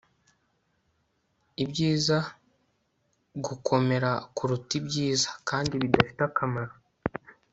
ibyiza gukomera kuruta ibyiza kandi bidafite akamaro